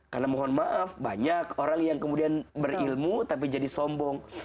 karena mohon maaf banyak orang yang kemudian berilmu tapi jadi sombong